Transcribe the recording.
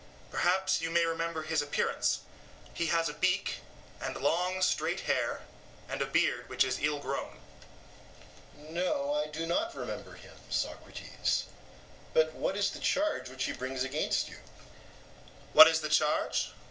Perhaps you may remember his appearance; he has a beak, and long straight hair, and a beard which is ill grown. EUTHYPHRO: No, I do not remember him, Socrates. But what is the charge which he brings against you? SOCRATES: What is the charge?